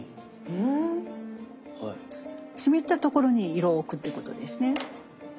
湿ったところに色を置くってことですね。